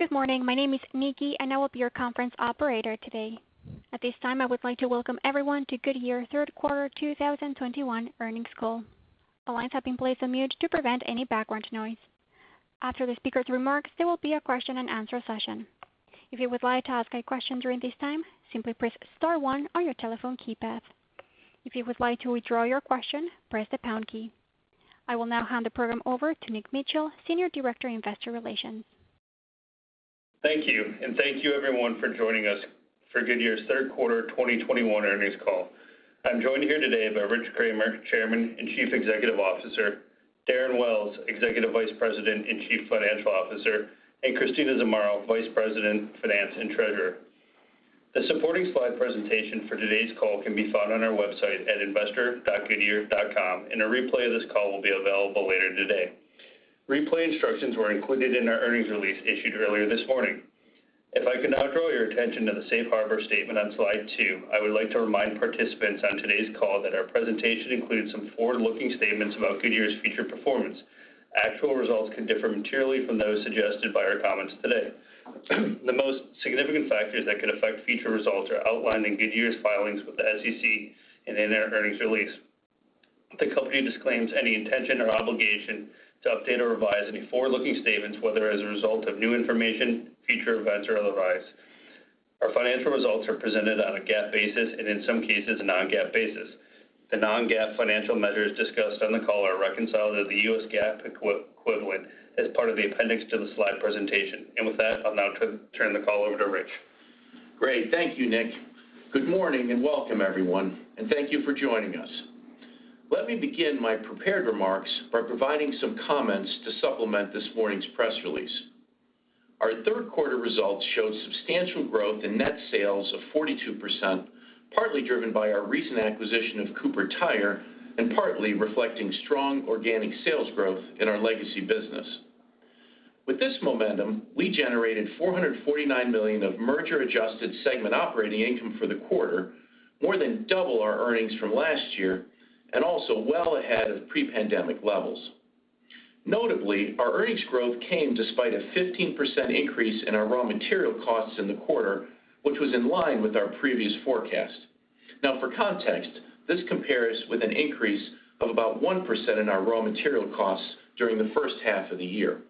Good morning. My name is Nikki, and I will be your conference operator today. At this time, I would like to welcome everyone to Goodyear Third Quarter 2021 Earnings Call. The lines have been placed on mute to prevent any background noise. After the speaker's remarks, there will be a question-and-answer session. If you would like to ask a question during this time, simply press star one on your telephone keypad. If you would like to withdraw your question, press the pound key. I will now hand the program over to Nick Mitchell, Senior Director, Investor Relations. Thank you, and thank you everyone for joining us for Goodyear's third quarter 2021 earnings call. I'm joined here today by Rich Kramer, Chairman and Chief Executive Officer, Darren Wells, Executive Vice President and Chief Financial Officer, and Christina Zamarro, Vice President, Finance and Treasurer. The supporting slide presentation for today's call can be found on our website at investor.goodyear.com, and a replay of this call will be available later today. Replay instructions were included in our earnings release issued earlier this morning. If I could now draw your attention to the Safe Harbor statement on slide 2, I would like to remind participants on today's call that our presentation includes some forward-looking statements about Goodyear's future performance. Actual results can differ materially from those suggested by our comments today. The most significant factors that could affect future results are outlined in Goodyear's filings with the SEC and in their earnings release. The company disclaims any intention or obligation to update or revise any forward-looking statements, whether as a result of new information, future events or otherwise. Our financial results are presented on a GAAP basis and in some cases a non-GAAP basis. The non-GAAP financial measures discussed on the call are reconciled to the U.S. GAAP equivalent as part of the appendix to the slide presentation. With that, I'll now turn the call over to Rich. Great. Thank you, Nick. Good morning and welcome everyone, and thank you for joining us. Let me begin my prepared remarks by providing some comments to supplement this morning's press release. Our third quarter results showed substantial growth in net sales of 42%, partly driven by our recent acquisition of Cooper Tire and partly reflecting strong organic sales growth in our legacy business. With this momentum, we generated $449 million of merger adjusted segment operating income for the quarter, more than double our earnings from last year, and also well ahead of pre-pandemic levels. Notably, our earnings growth came despite a 15% increase in our raw material costs in the quarter, which was in line with our previous forecast. Now for context, this compares with an increase of about 1% in our raw material costs during the first half of the year.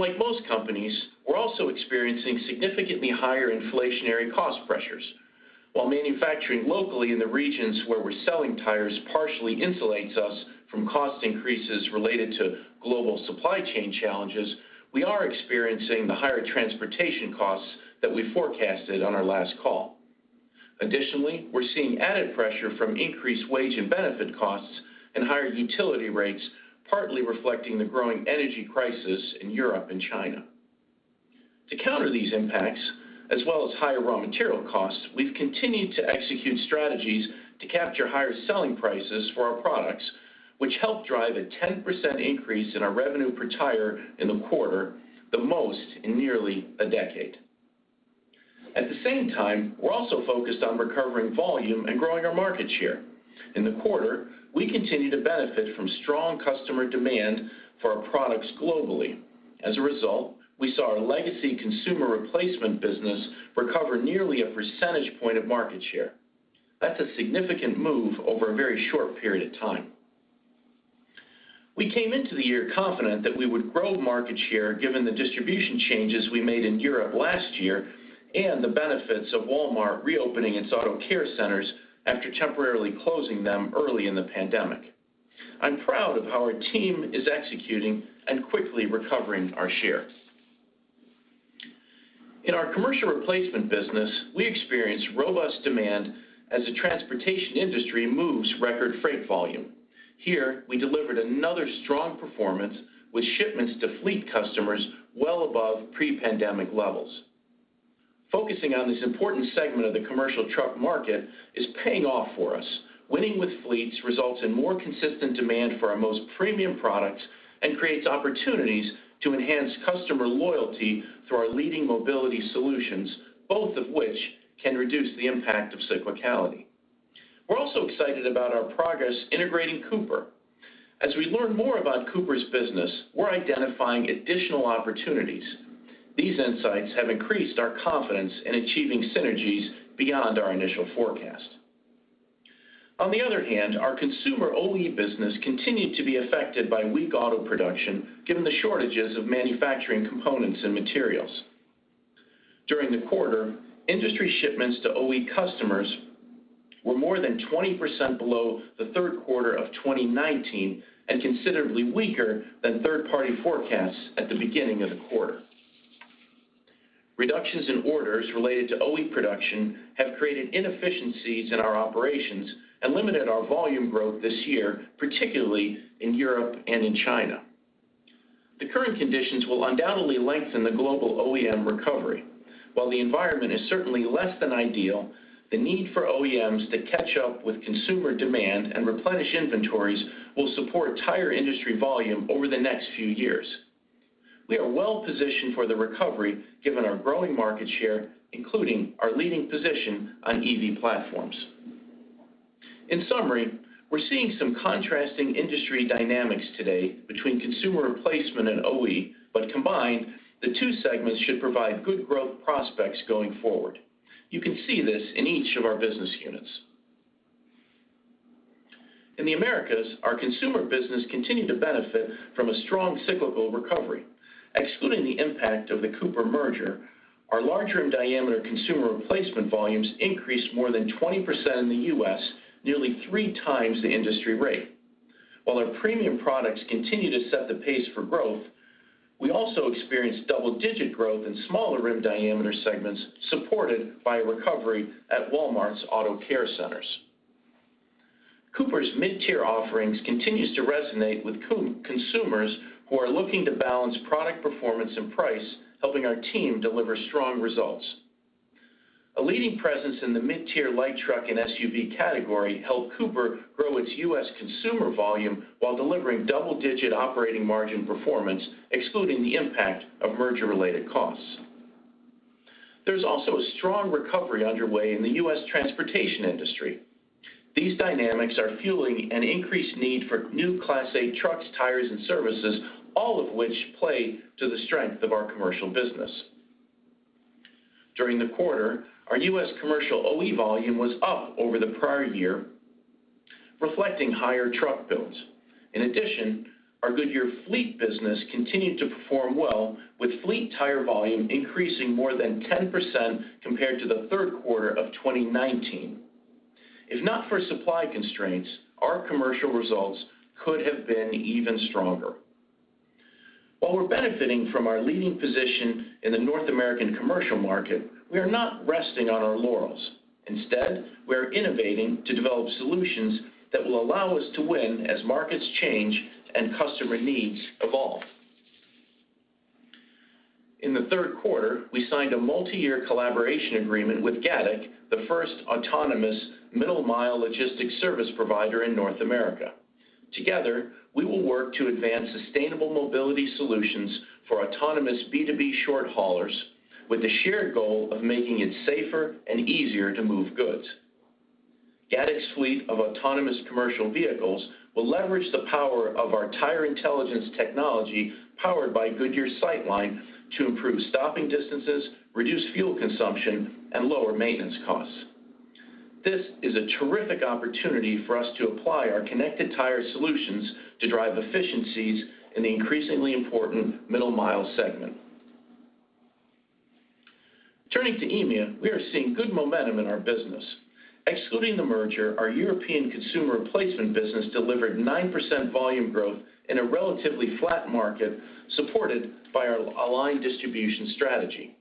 Like most companies, we're also experiencing significantly higher inflationary cost pressures. While manufacturing locally in the regions where we're selling tires partially insulates us from cost increases related to global supply chain challenges, we are experiencing the higher transportation costs that we forecasted on our last call. Additionally, we're seeing added pressure from increased wage and benefit costs and higher utility rates, partly reflecting the growing energy crisis in Europe and China. To counter these impacts, as well as higher raw material costs, we've continued to execute strategies to capture higher selling prices for our products, which helped drive a 10% increase in our revenue per tire in the quarter, the most in nearly a decade. At the same time, we're also focused on recovering volume and growing our market share. In the quarter, we continue to benefit from strong customer demand for our products globally. As a result, we saw our legacy consumer replacement business recover nearly a percentage point of market share. That's a significant move over a very short period of time. We came into the year confident that we would grow market share given the distribution changes we made in Europe last year and the benefits of Walmart reopening its Auto Care Centers after temporarily closing them early in the pandemic. I'm proud of how our team is executing and quickly recovering our share. In our commercial replacement business, we experienced robust demand as the transportation industry moves record freight volume. Here, we delivered another strong performance with shipments to fleet customers well above pre-pandemic levels. Focusing on this important segment of the commercial truck market is paying off for us. Winning with fleets results in more consistent demand for our most premium products and creates opportunities to enhance customer loyalty through our leading mobility solutions, both of which can reduce the impact of cyclicality. We're also excited about our progress integrating Cooper. As we learn more about Cooper's business, we're identifying additional opportunities. These insights have increased our confidence in achieving synergies beyond our initial forecast. On the other hand, our consumer OE business continued to be affected by weak auto production given the shortages of manufacturing components and materials. During the quarter, industry shipments to OE customers were more than 20% below the third quarter of 2019 and considerably weaker than third-party forecasts at the beginning of the quarter. Reductions in orders related to OE production have created inefficiencies in our operations and limited our volume growth this year, particularly in Europe and in China. The current conditions will undoubtedly lengthen the global OEM recovery. While the environment is certainly less than ideal, the need for OEMs to catch up with consumer demand and replenish inventories will support tire industry volume over the next few years. We are well positioned for the recovery given our growing market share, including our leading position on EV platforms. In summary, we're seeing some contrasting industry dynamics today between consumer replacement and OE but combined, the two segments should provide good growth prospects going forward. You can see this in each of our business units. In the Americas, our consumer business continued to benefit from a strong cyclical recovery. Excluding the impact of the Cooper merger, our larger in diameter consumer replacement volumes increased more than 20% in the U.S., nearly 3x the industry rate. While our premium products continue to set the pace for growth, we also experienced double-digit growth in smaller rim diameter segments, supported by a recovery at Walmart Auto Care Centers. Cooper's mid-tier offerings continues to resonate with consumers who are looking to balance product performance and price, helping our team deliver strong results. A leading presence in the mid-tier light truck and SUV category helped Cooper grow its U.S. consumer volume while delivering double-digit operating margin performance, excluding the impact of merger related costs. There's also a strong recovery underway in the U.S. transportation industry. These dynamics are fueling an increased need for new Class A trucks, tires, and services, all of which play to the strength of our commercial business. During the quarter, our U.S. commercial OE volume was up over the prior year, reflecting higher truck builds. In addition, our Goodyear fleet business continued to perform well with fleet tire volume increasing more than 10% compared to the third quarter of 2019. If not for supply constraints, our commercial results could have been even stronger. While we're benefiting from our leading position in the North American commercial market, we are not resting on our laurels. Instead, we are innovating to develop solutions that will allow us to win as markets change and customer needs evolve. In the third quarter, we signed a multi-year collaboration agreement with Gatik, the first autonomous middle mile logistics service provider in North America. Together, we will work to advance sustainable mobility solutions for autonomous B2B short haulers with the shared goal of making it safer and easier to move goods. Gatik's fleet of autonomous commercial vehicles will leverage the power of our tire intelligence technology powered by Goodyear SightLine to improve stopping distances, reduce fuel consumption, and lower maintenance costs. This is a terrific opportunity for us to apply our connected tire solutions to drive efficiencies in the increasingly important middle mile segment. Turning to EMEA, we are seeing good momentum in our business. Excluding the merger, our European consumer replacement business delivered 9% volume growth in a relatively flat market, supported by our aligned distribution strategy.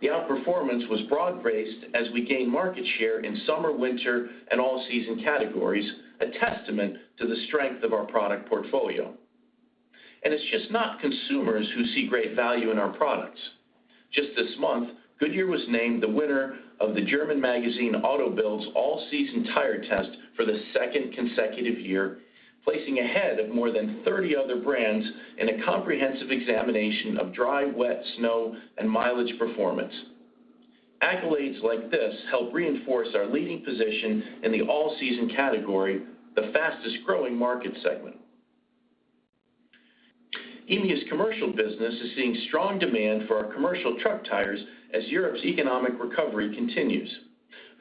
The outperformance was broad-based as we gained market share in summer, winter, and all-season categories, a testament to the strength of our product portfolio. It's just not consumers who see great value in our products. Just this month, Goodyear was named the winner of the German magazine Auto Bild's all-season tire test for the second consecutive year, placing ahead of more than 30 other brands in a comprehensive examination of dry, wet, snow, and mileage performance. Accolades like this help reinforce our leading position in the all-season category, the fastest-growing market segment. EMEA's commercial business is seeing strong demand for our commercial truck tires as Europe's economic recovery continues.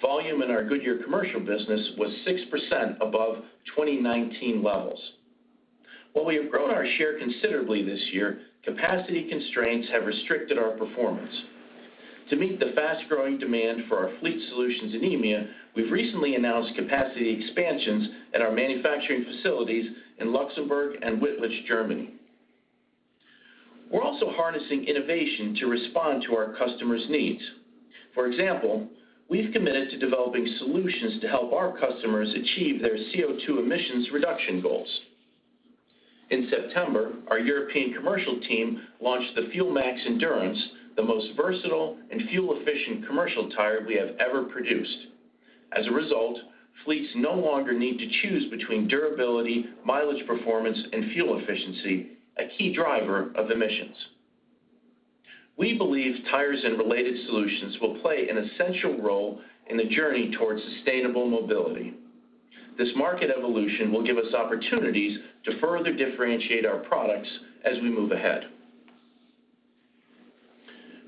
Volume in our Goodyear commercial business was 6% above 2019 levels. While we have grown our share considerably this year, capacity constraints have restricted our performance. To meet the fast-growing demand for our fleet solutions in EMEA, we've recently announced capacity expansions at our manufacturing facilities in Luxembourg and Wittlich, Germany. We're also harnessing innovation to respond to our customers' needs. For example, we've committed to developing solutions to help our customers achieve their CO2 emissions reduction goals. In September, our European commercial team launched the FUELMAX Endurance, the most versatile and fuel-efficient commercial tire we have ever produced. As a result, fleets no longer need to choose between durability, mileage performance, and fuel efficiency, a key driver of emissions. We believe tires and related solutions will play an essential role in the journey towards sustainable mobility. This market evolution will give us opportunities to further differentiate our products as we move ahead.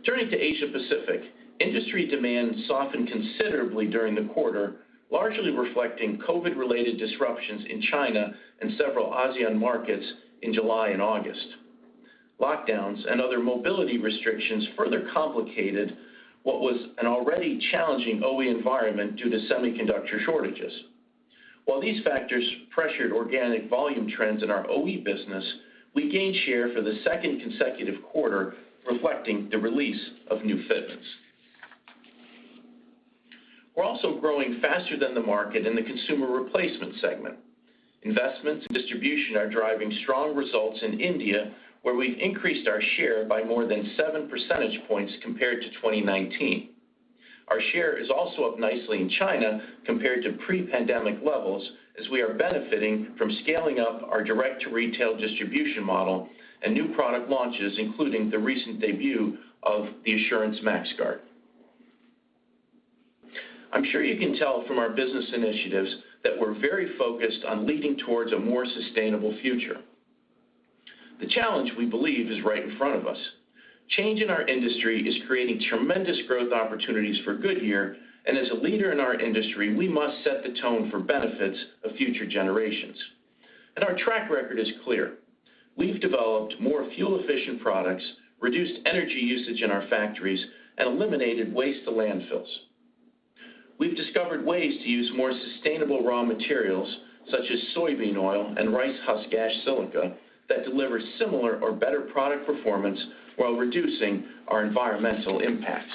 Turning to Asia Pacific, industry demand softened considerably during the quarter, largely reflecting COVID-related disruptions in China and several ASEAN markets in July and August. Lockdowns and other mobility restrictions further complicated what was an already challenging OE environment due to semiconductor shortages. While these factors pressured organic volume trends in our OE business, we gained share for the second consecutive quarter, reflecting the release of new fitments. We're also growing faster than the market in the consumer replacement segment. Investments in distribution are driving strong results in India, where we've increased our share by more than 7 percentage points compared to 2019. Our share is also up nicely in China compared to pre-pandemic levels as we are benefiting from scaling up our direct-to-retail distribution model and new product launches, including the recent debut of the Assurance MaxGuard. I'm sure you can tell from our business initiatives that we're very focused on leading towards a more sustainable future. The challenge we believe is right in front of us. Change in our industry is creating tremendous growth opportunities for Goodyear, and as a leader in our industry, we must set the tone for benefits of future generations. Our track record is clear. We've developed more fuel-efficient products, reduced energy usage in our factories, and eliminated waste to landfills. We've discovered ways to use more sustainable raw materials, such as soybean oil and rice husk ash silica that deliver similar or better product performance while reducing our environmental impacts.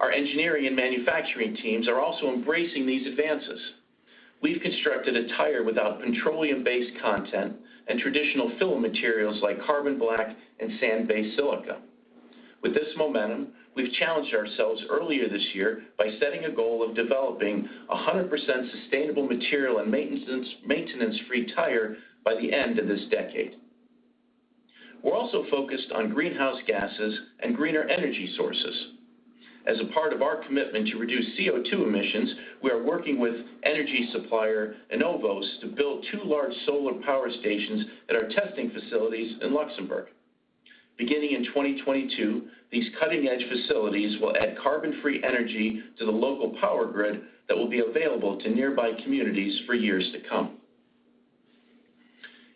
Our engineering and manufacturing teams are also embracing these advances. We've constructed a tire without petroleum-based content and traditional fill materials like carbon black and sand-based silica. With this momentum, we've challenged ourselves earlier this year by setting a goal of developing a 100% sustainable material and maintenance-free tire by the end of this decade. We're also focused on greenhouse gases and greener energy sources. As a part of our commitment to reduce CO2 emissions, we are working with energy supplier Enovos to build two large solar power stations at our testing facilities in Luxembourg. Beginning in 2022, these cutting-edge facilities will add carbon-free energy to the local power grid that will be available to nearby communities for years to come.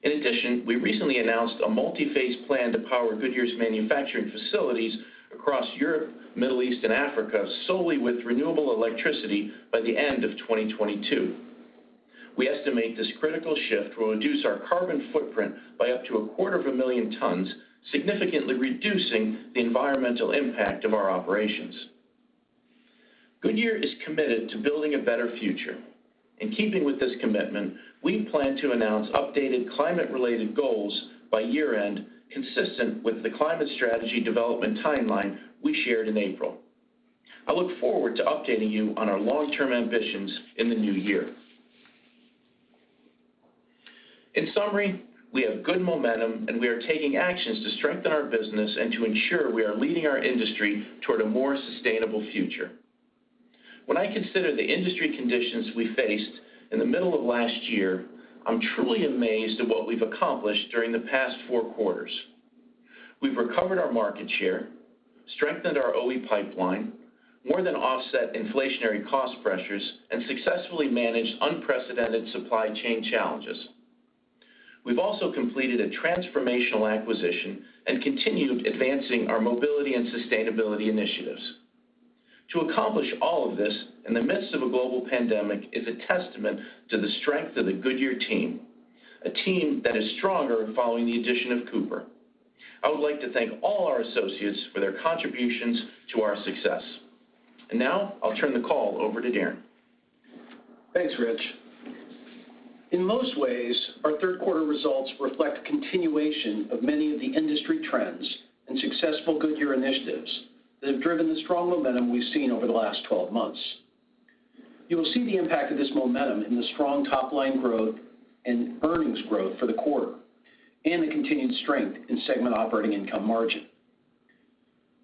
In addition, we recently announced a multi-phase plan to power Goodyear's manufacturing facilities across Europe, Middle East, and Africa solely with renewable electricity by the end of 2022. We estimate this critical shift will reduce our carbon footprint by up to a quarter of a million tons, significantly reducing the environmental impact of our operations. Goodyear is committed to building a better future. In keeping with this commitment, we plan to announce updated climate-related goals by year-end, consistent with the climate strategy development timeline we shared in April. I look forward to updating you on our long-term ambitions in the new year. In summary, we have good momentum, and we are taking actions to strengthen our business and to ensure we are leading our industry toward a more sustainable future. When I consider the industry conditions we faced in the middle of last year, I'm truly amazed at what we've accomplished during the past four quarters. We've recovered our market share, strengthened our OE pipeline, more than offset inflationary cost pressures, and successfully managed unprecedented supply chain challenges. We've also completed a transformational acquisition and continued advancing our mobility and sustainability initiatives. To accomplish all of this in the midst of a global pandemic is a testament to the strength of the Goodyear team, a team that is stronger following the addition of Cooper. I would like to thank all our associates for their contributions to our success. Now I'll turn the call over to Darren. Thanks, Rich. In most ways, our third quarter results reflect continuation of many of the industry trends and successful Goodyear initiatives that have driven the strong momentum we've seen over the last twelve months. You will see the impact of this momentum in the strong top-line growth and earnings growth for the quarter and the continued strength in segment operating income margin.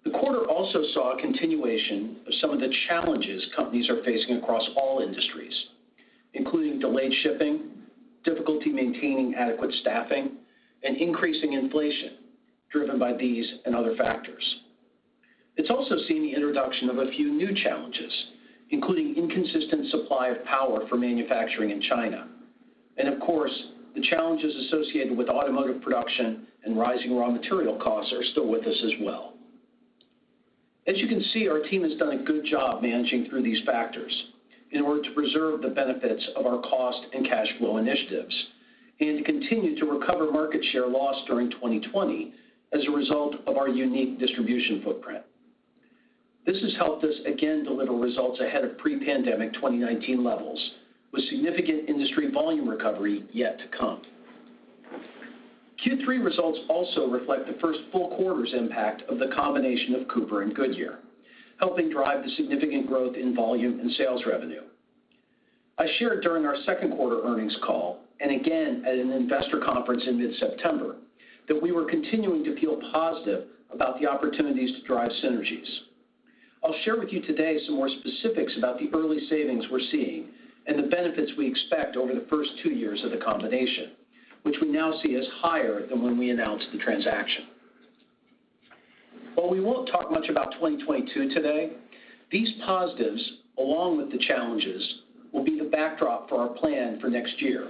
The quarter also saw a continuation of some of the challenges companies are facing across all industries, including delayed shipping, difficulty maintaining adequate staffing, and increasing inflation driven by these and other factors. It's also seen the introduction of a few new challenges, including inconsistent supply of power for manufacturing in China. Of course, the challenges associated with automotive production and rising raw material costs are still with us as well. As you can see, our team has done a good job managing through these factors in order to preserve the benefits of our cost and cash flow initiatives and to continue to recover market share lost during 2020 as a result of our unique distribution footprint. This has helped us again deliver results ahead of pre-pandemic 2019 levels with significant industry volume recovery yet to come. Q3 results also reflect the first full quarter's impact of the combination of Cooper and Goodyear, helping drive the significant growth in volume and sales revenue. I shared during our second quarter earnings call, and again at an investor conference in mid-September, that we were continuing to feel positive about the opportunities to drive synergies. I'll share with you today some more specifics about the early savings we're seeing and the benefits we expect over the first 2 years of the combination, which we now see as higher than when we announced the transaction. While we won't talk much about 2022 today, these positives, along with the challenges, will be the backdrop for our plan for next year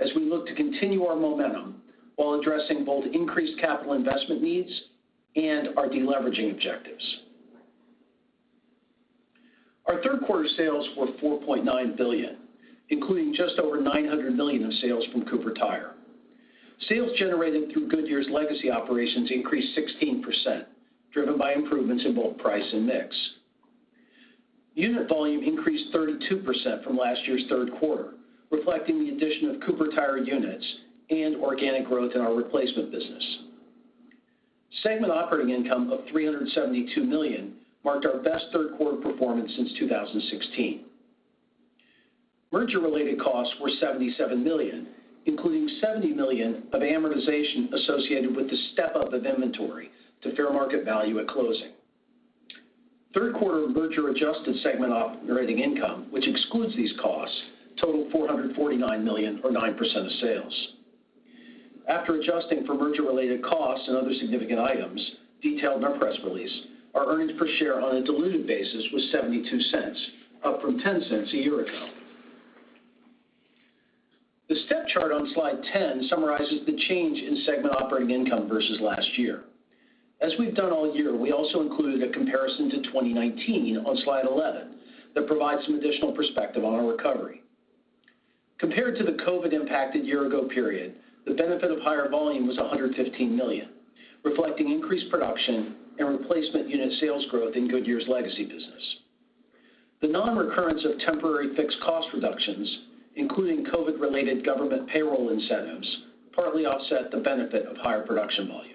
as we look to continue our momentum while addressing both increased capital investment needs and our deleveraging objectives. Our third quarter sales were $4.9 billion, including just over $900 million in sales from Cooper Tire. Sales generated through Goodyear's legacy operations increased 16%, driven by improvements in both price and mix. Unit volume increased 32% from last year's third quarter, reflecting the addition of Cooper Tire units and organic growth in our replacement business. Segment operating income of $372 million marked our best third quarter performance since 2016. Merger-related costs were $77 million, including $70 million of amortization associated with the step-up of inventory to fair market value at closing. Third quarter merger adjusted segment operating income, which excludes these costs, totaled $449 million or 9% of sales. After adjusting for merger-related costs and other significant items detailed in our press release, our earnings per share on a diluted basis was $0.72, up from $0.10 a year ago. The step chart on slide 10 summarizes the change in segment operating income versus last year. As we've done all year, we also included a comparison to 2019 on slide 11 that provides some additional perspective on our recovery. Compared to the COVID-impacted year ago period, the benefit of higher volume was $115 million, reflecting increased production and replacement unit sales growth in Goodyear's legacy business. The non-recurrence of temporary fixed cost reductions, including COVID-related government payroll incentives, partly offset the benefit of higher production volume.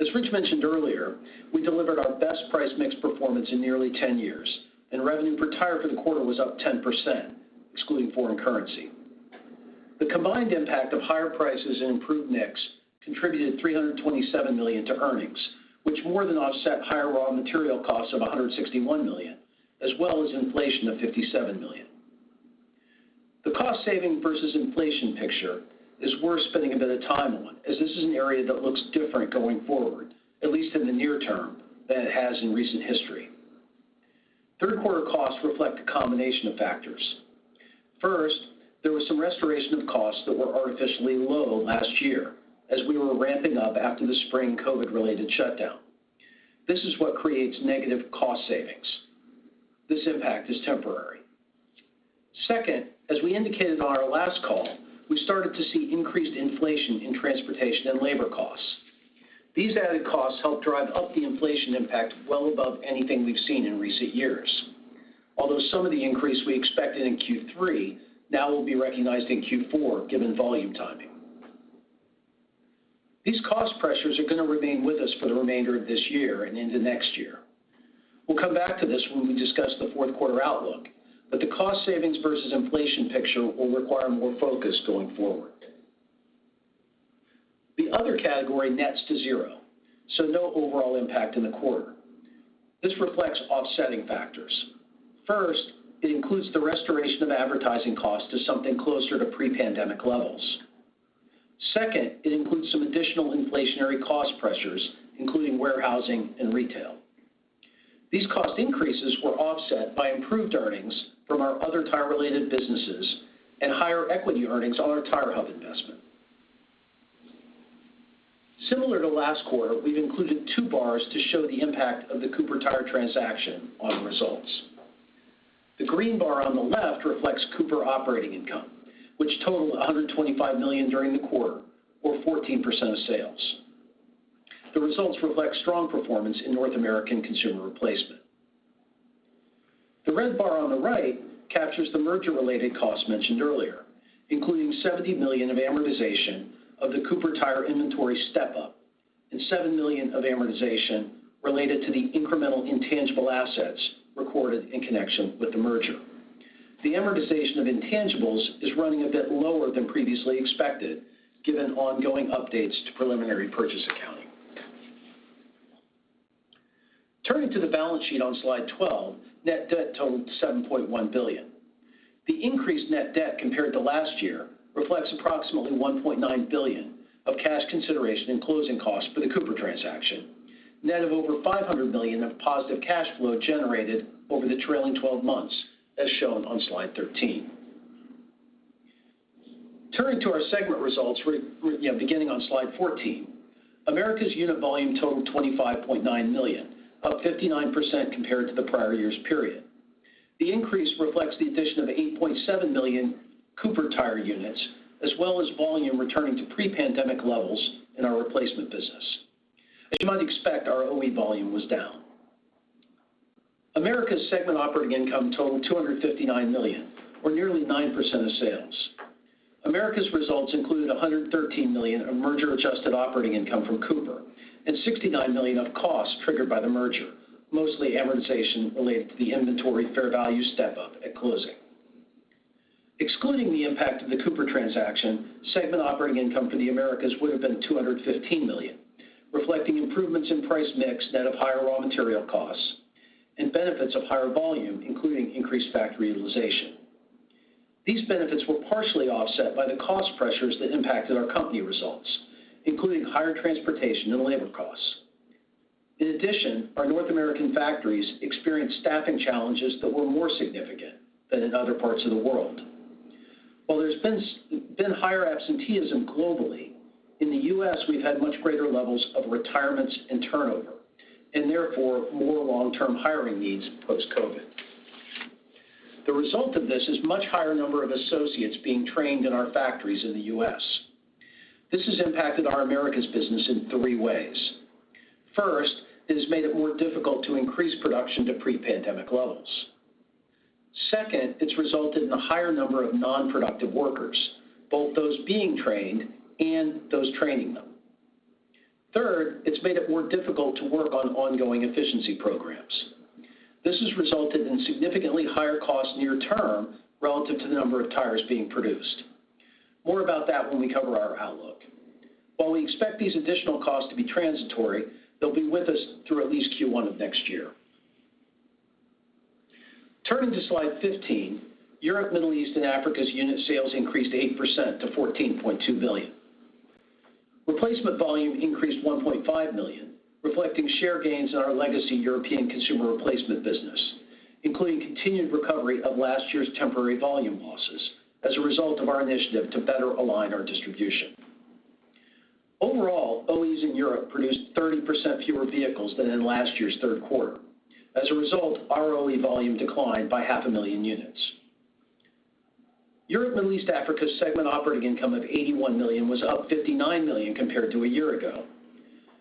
As Rich mentioned earlier, we delivered our best price mix performance in nearly 10 years, and revenue per tire for the quarter was up 10%, excluding foreign currency. The combined impact of higher prices and improved mix contributed $327 million to earnings, which more than offset higher raw material costs of $161 million, as well as inflation of $57 million. The cost saving versus inflation picture is worth spending a bit of time on, as this is an area that looks different going forward, at least in the near term, than it has in recent history. Third quarter costs reflect a combination of factors. First, there was some restoration of costs that were artificially low last year as we were ramping up after the spring COVID-related shutdown. This is what creates negative cost savings. This impact is temporary. Second, as we indicated on our last call, we started to see increased inflation in transportation and labor costs. These added costs helped drive up the inflation impact well above anything we've seen in recent years. Although some of the increase we expected in Q3 now will be recognized in Q4, given volume timing. These cost pressures are gonna remain with us for the remainder of this year and into next year. We'll come back to this when we discuss the fourth quarter outlook, but the cost savings versus inflation picture will require more focus going forward. The other category nets to zero, so no overall impact in the quarter. This reflects offsetting factors. First, it includes the restoration of advertising costs to something closer to pre-pandemic levels. Second, it includes some additional inflationary cost pressures, including warehousing and retail. These cost increases were offset by improved earnings from our other tire-related businesses and higher equity earnings on our TireHub investment. Similar to last quarter, we've included two bars to show the impact of the Cooper Tire transaction on results. The green bar on the left reflects Cooper operating income, which totaled $125 million during the quarter, or 14% of sales. The results reflect strong performance in North American consumer replacement. The red bar on the right captures the merger-related costs mentioned earlier, including $70 million of amortization of the Cooper Tire inventory step-up and $7 million of amortization related to the incremental intangible assets recorded in connection with the merger. The amortization of intangibles is running a bit lower than previously expected, given ongoing updates to preliminary purchase accounting. Turning to the balance sheet on slide 12, net debt totaled $7.1 billion. The increased net debt compared to last year reflects approximately $1.9 billion of cash consideration and closing costs for the Cooper transaction, net of over $500 million of positive cash flow generated over the trailing twelve months, as shown on slide 13. Turning to our segment results, beginning on slide 14. Americas unit volume totaled 25.9 million, up 59% compared to the prior year's period. The increase reflects the addition of 8.7 million Cooper Tire units as well as volume returning to pre-pandemic levels in our replacement business. As you might expect, our OE volume was down. Americas segment operating income totaled $259 million or nearly 9% of sales. Americas results included $113 million of merger adjusted operating income from Cooper, and $69 million of costs triggered by the merger, mostly amortization related to the inventory fair value step-up at closing. Excluding the impact of the Cooper transaction, segment operating income for the Americas would've been $215 million, reflecting improvements in price mix net of higher raw material costs and benefits of higher volume, including increased factory utilization. These benefits were partially offset by the cost pressures that impacted our company results, including higher transportation and labor costs. In addition, our North American factories experienced staffing challenges that were more significant than in other parts of the world. While there's been higher absenteeism globally, in the U.S., we've had much greater levels of retirements and turnover and therefore more long-term hiring needs post-COVID. The result of this is much higher number of associates being trained in our factories in the U.S. This has impacted our Americas business in three ways. First, it has made it more difficult to increase production to pre-pandemic levels. Second, it's resulted in a higher number of non-productive workers, both those being trained and those training them. Third, it's made it more difficult to work on ongoing efficiency programs. This has resulted in significantly higher costs near term relative to the number of tires being produced. More about that when we cover our outlook. While we expect these additional costs to be transitory, they'll be with us through at least Q1 of next year. Turning to slide 15, Europe, Middle East, and Africa's unit sales increased 8% to 14.2 billion. Replacement volume increased 1.5 million, reflecting share gains in our legacy European consumer replacement business, including continued recovery of last year's temporary volume losses as a result of our initiative to better align our distribution. Overall, OEs in Europe produced 30% fewer vehicles than in last year's third quarter. As a result, our OE volume declined by 0.5 million units. Europe, Middle East, Africa segment operating income of $81 million was up $59 million compared to a year ago.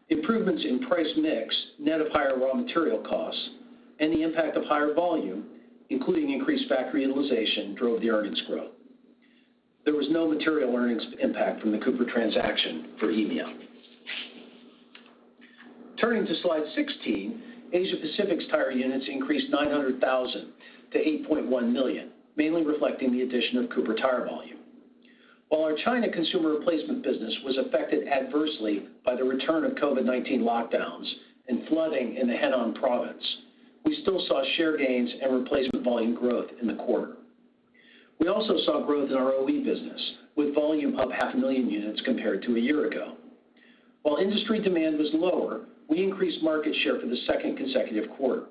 Improvements in price/mix, net of higher raw material costs and the impact of higher volume, including increased factory utilization, drove the earnings growth. There was no material earnings impact from the Cooper transaction for EMEA. Turning to slide 16, Asia Pacific's tire units increased 900,000 to 8.1 million, mainly reflecting the addition of Cooper Tire volume. While our China consumer replacement business was affected adversely by the return of COVID-19 lockdowns and flooding in the Henan Province, we still saw share gains and replacement volume growth in the quarter. We also saw growth in our OE business, with volume up 500,000 units compared to a year ago. While industry demand was lower, we increased market share for the second consecutive quarter.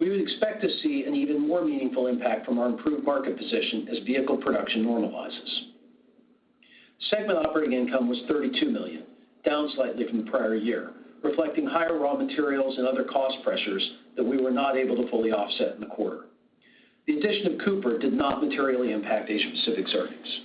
We would expect to see an even more meaningful impact from our improved market position as vehicle production normalizes. Segment operating income was $32 million, down slightly from the prior year, reflecting higher raw materials and other cost pressures that we were not able to fully offset in the quarter. The addition of Cooper did not materially impact Asia Pacific's earnings.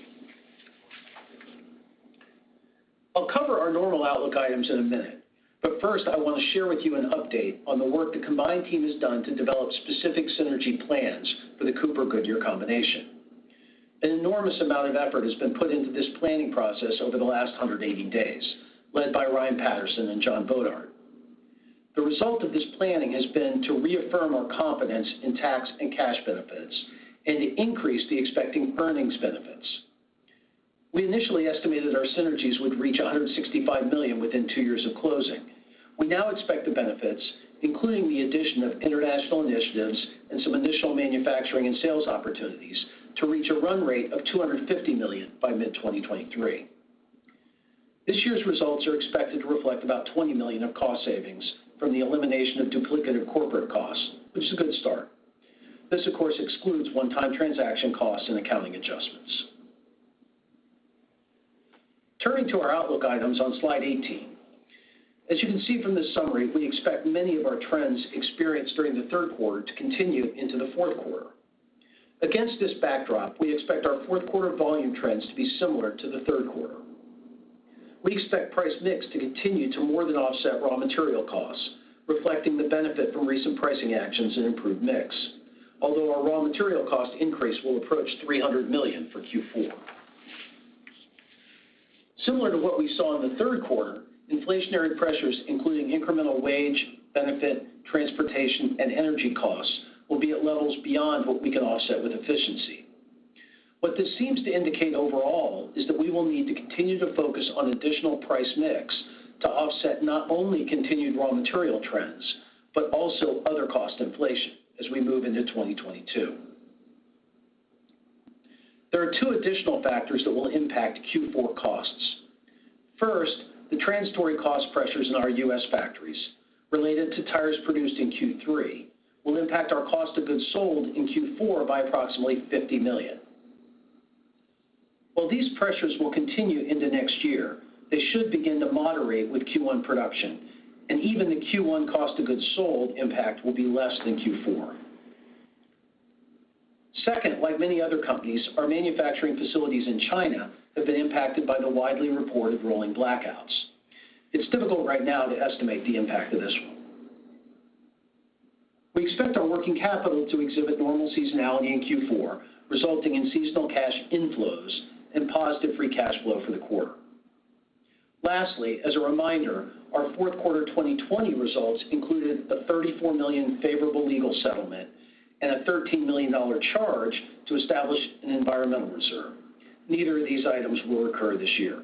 I'll cover our normal outlook items in a minute, but first, I want to share with you an update on the work the combined team has done to develop specific synergy plans for the Cooper Goodyear combination. An enormous amount of effort has been put into this planning process over the last 180 days, led by Ryan Patterson and John Bodart. The result of this planning has been to reaffirm our confidence in tax and cash benefits and to increase the expected earnings benefits. We initially estimated our synergies would reach $165 million within 2 years of closing. We now expect the benefits, including the addition of international initiatives and some additional manufacturing and sales opportunities, to reach a run rate of $250 million by mid-2023. This year's results are expected to reflect about $20 million of cost savings from the elimination of duplicative corporate costs, which is a good start. This, of course, excludes one-time transaction costs and accounting adjustments. Turning to our outlook items on slide 18. As you can see from this summary, we expect many of our trends experienced during the third quarter to continue into the fourth quarter. Against this backdrop, we expect our fourth quarter volume trends to be similar to the third quarter. We expect price/mix to continue to more than offset raw material costs, reflecting the benefit from recent pricing actions and improved mix. Although our raw material cost increase will approach $300 million for Q4. Similar to what we saw in the third quarter, inflationary pressures, including incremental wage, benefit, transportation, and energy costs, will be at levels beyond what we can offset with efficiency. What this seems to indicate overall is that we will need to continue to focus on additional price/mix to offset not only continued raw material trends, but also other cost inflation as we move into 2022. There are two additional factors that will impact Q4 costs. First, the transitory cost pressures in our U.S. factories related to tires produced in Q3 will impact our cost of goods sold in Q4 by approximately $50 million. While these pressures will continue into next year, they should begin to moderate with Q1 production, and even the Q1 cost of goods sold impact will be less than Q4. Second, like many other companies, our manufacturing facilities in China have been impacted by the widely reported rolling blackouts. It's difficult right now to estimate the impact of this one. We expect our working capital to exhibit normal seasonality in Q4, resulting in seasonal cash inflows and positive free cash flow for the quarter. Lastly, as a reminder, our fourth quarter 2020 results included a $34 million favorable legal settlement and a $13 million charge to establish an environmental reserve. Neither of these items will recur this year.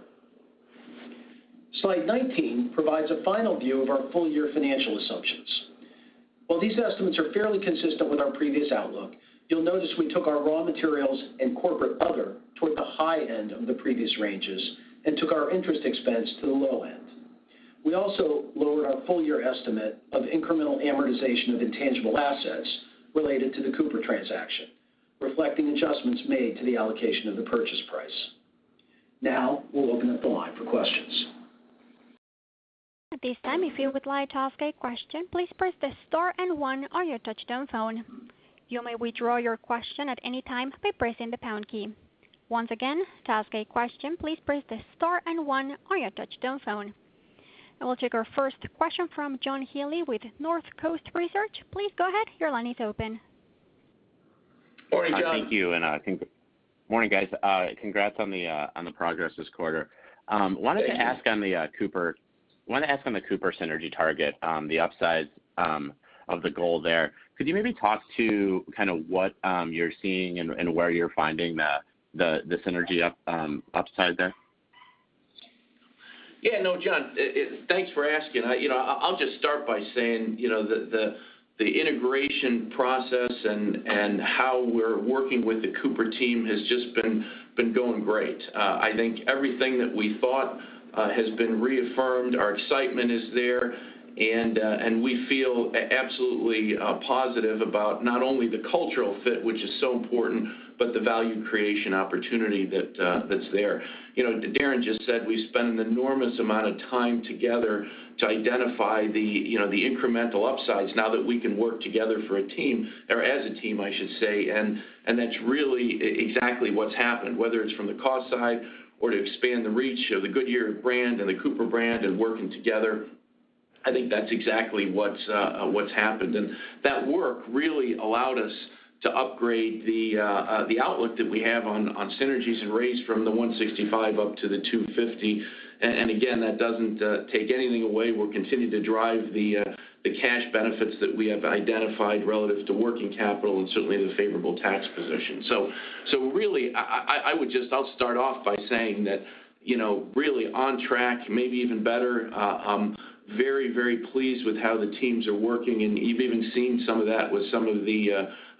Slide 19 provides a final view of our full year financial assumptions. While these estimates are fairly consistent with our previous outlook, you'll notice we took our raw materials and corporate other toward the high end of the previous ranges and took our interest expense to the low end. We also lowered our full year estimate of incremental amortization of intangible assets related to the Cooper transaction, reflecting adjustments made to the allocation of the purchase price. Now we'll open up the line for questions. At this time, if you would like to ask a question, please press the star and one on your touchtone phone. You may withdraw your question at any time by pressing the pound key. Once again, to ask a question, please press the star and one on your touchtone phone. I will take our first question from John Healy with Northcoast Research. Please go ahead. Your line is open. Morning, John. Thank you and morning, guys. Congrats on the progress this quarter. Thank you. I wanted to ask on the Cooper synergy target, the upsides of the goal there. Could you maybe talk about kind of what you're seeing and where you're finding the synergy upside there? No, John. Thanks for asking. I'll just start by saying, you know, the integration process and how we're working with the Cooper team has just been going great. I think everything that we thought has been reaffirmed, our excitement is there, and we feel absolutely positive about not only the cultural fit, which is so important, but the value creation opportunity that's there. You know, Darren just said we spend an enormous amount of time together to identify the, you know, the incremental upsides now that we can work together for a team or as a team, I should say. That's really exactly what's happened, whether it's from the cost side or to expand the reach of the Goodyear brand and the Cooper brand and working together. I think that's exactly what's happened. That work really allowed us to upgrade the outlook that we have on synergies and raise from $165 up to $250. Again, that doesn't take anything away. We're continuing to drive the cash benefits that we have identified relative to working capital and certainly the favorable tax position. Really, I would just start off by saying that, you know, really on track, maybe even better, I'm very, very pleased with how the teams are working, and you've even seen some of that with some of the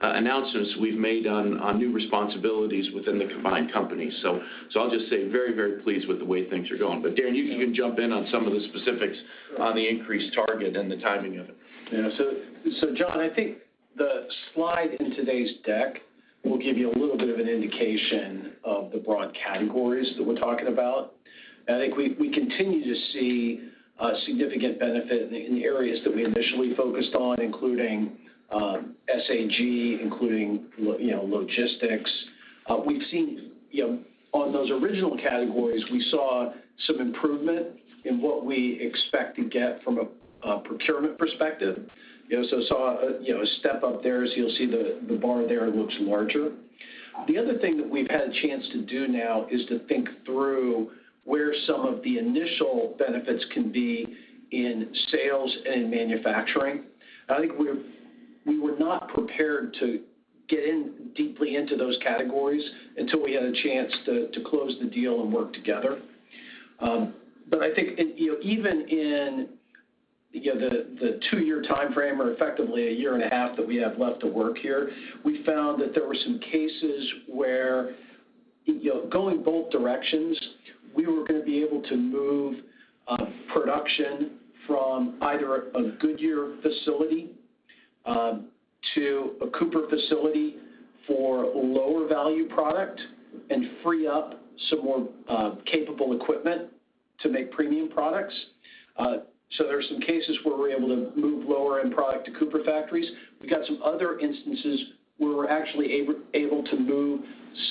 announcements we've made on new responsibilities within the combined company. I'll just say very, very pleased with the way things are going. Darren, you can jump in on some of the specifics on the increased target and the timing of it. John, I think the slide in today's deck will give you a little bit of an indication of the broad categories that we're talking about. I think we continue to see a significant benefit in the areas that we initially focused on, including SAG, including logistics. We've seen, you know, on those original categories, we saw some improvement in what we expect to get from a procurement perspective, you know. Saw a step up there as you'll see the bar there looks larger. The other thing that we've had a chance to do now is to think through where some of the initial benefits can be in sales and manufacturing. I think we were not prepared to get in deeply into those categories until we had a chance to close the deal and work together. I think, you know, even in you know the 2-year timeframe or effectively a year and a half that we have left to work here, we found that there were some cases where, you know, going both directions, we were gonna be able to move production from either a Goodyear facility to a Cooper facility for lower value product and free up some more capable equipment to make premium products. There are some cases where we're able to move lower end product to Cooper factories. We've got some other instances where we're actually able to move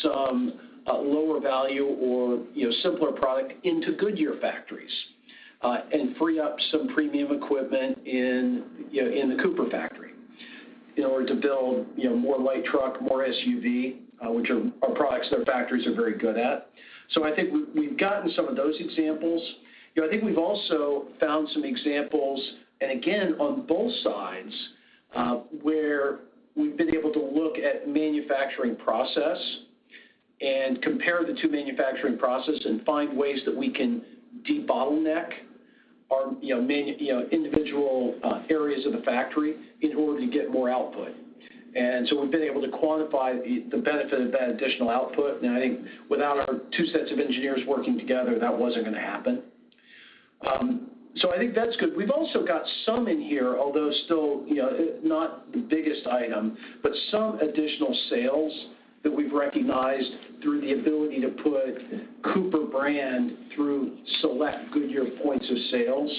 some lower value or, you know, simpler product into Goodyear factories and free up some premium equipment in, you know, in the Cooper factory in order to build, you know, more light truck, more SUV, which are products their factories are very good at. I think we've gotten some of those examples. You know, I think we've also found some examples, and again, on both sides, where we've been able to look at manufacturing process and compare the two manufacturing process and find ways that we can debottleneck our, you know, individual areas of the factory in order to get more output. We've been able to quantify the benefit of that additional output. I think without our two sets of engineers working together, that wasn't gonna happen. I think that's good. We've also got some in here, although still, you know, not the biggest item, but some additional sales that we've recognized through the ability to put Cooper brand through select Goodyear points of sales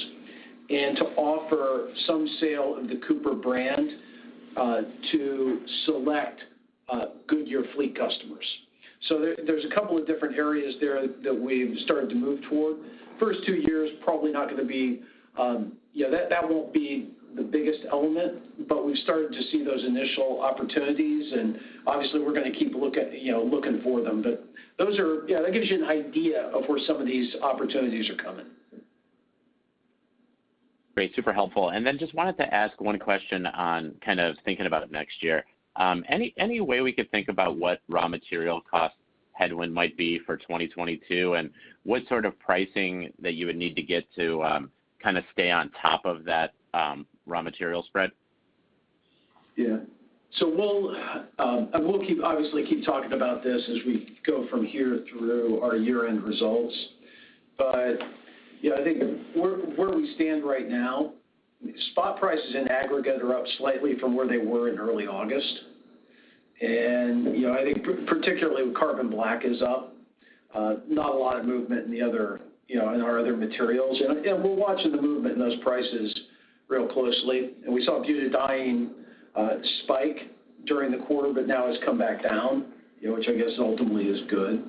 and to offer some sale of the Cooper brand to select Goodyear fleet customers. There, there's a couple of different areas there that we've started to move toward. First 2 years, probably not gonna be, that won't be the biggest element, but we've started to see those initial opportunities, and obviously we're gonna keep looking for them. That gives you an idea of where some of these opportunities are coming. Great. Super helpful. Just wanted to ask one question on kind of thinking about next year. Any way we could think about what raw material cost headwind might be for 2022, and what sort of pricing that you would need to get to, kind of stay on top of that, raw material spread? Yeah. We'll keep, obviously, keep talking about this as we go from here through our year-end results. I think where we stand right now, spot prices in aggregate are up slightly from where they were in early August. I think particularly carbon black is up. Not a lot of movement in our other materials. We're watching the movement in those prices real closely. We saw butadiene spike during the quarter, but now has come back down. You know, which I guess ultimately is good.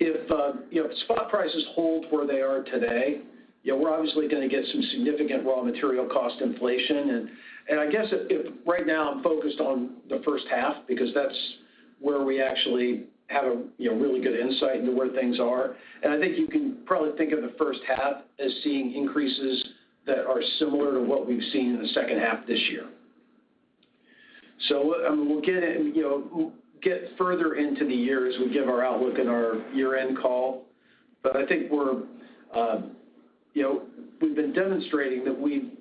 If you know, spot prices hold where they are today, you know, we're obviously gonna get some significant raw material cost inflation. I guess if right now I'm focused on the first half because that's where we actually have a you know, really good insight into where things are. I think you can probably think of the first half as seeing increases that are similar to what we've seen in the second half this year. We'll get you know, further into the year as we give our outlook in our year-end call. I think we're you know, we've been demonstrating that we've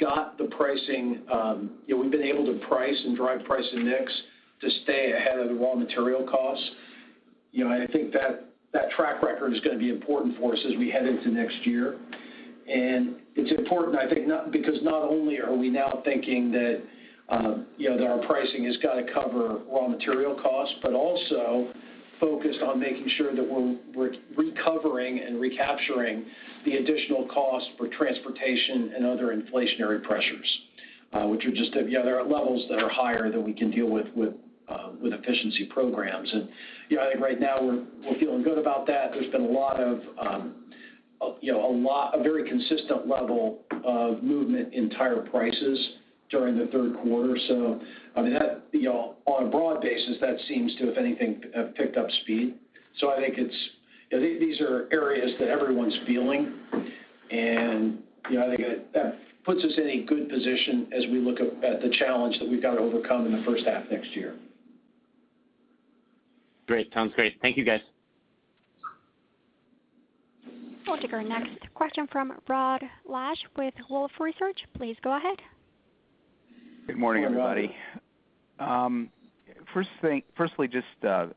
got the pricing you know, we've been able to price and drive price/mix to stay ahead of the raw material costs. You know, I think that track record is gonna be important for us as we head into next year. It's important, I think because not only are we now thinking that our pricing has gotta cover raw material costs, but also focused on making sure that we're recovering and recapturing the additional cost for transportation and other inflationary pressures, which are just at, you know, they are at levels that are higher than we can deal with efficiency programs. You know, I think right now we're feeling good about that. There's been a very consistent level of movement in tire prices during the third quarter. I mean, that, you know, on a broad basis, that seems to, if anything, have picked up speed. I think these are areas that everyone's feeling. You know, I think that puts us in a good position as we look at the challenge that we've got to overcome in the first half next year. Great. Sounds great. Thank you, guys. We'll take our next question from Rod Lache with Wolfe Research. Please go ahead. Good morning, Rod. Good morning, everybody. First, just